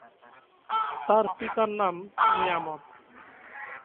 তাঁর পিতার নাম নিয়ামত।